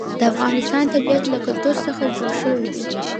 د افغانستان طبیعت له کلتور څخه جوړ شوی دی.